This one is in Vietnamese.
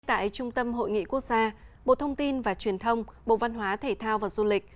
tại trung tâm hội nghị quốc gia bộ thông tin và truyền thông bộ văn hóa thể thao và du lịch